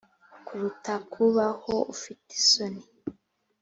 kuruta kubaho ufite isoni